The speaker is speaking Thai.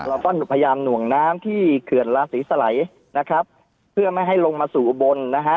เราก็พยายามหน่วงน้ำที่เขื่อนราศีสลัยนะครับเพื่อไม่ให้ลงมาสู่อุบลนะฮะ